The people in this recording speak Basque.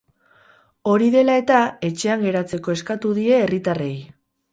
Hori dela eta, etxean geratzeko eskatu die herritarrei.